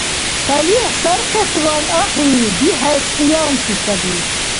ТалихӀ сархесван ахӀи, бихӀес къиянси саби.